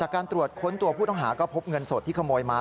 การตรวจค้นตัวผู้ต้องหาก็พบเงินสดที่ขโมยมา